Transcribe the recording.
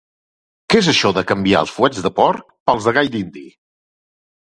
Què és això de canviar els fuets de porc pels de gall dindi?